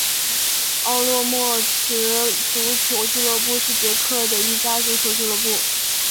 奥洛莫茨足球俱乐部是捷克的一家足球俱乐部。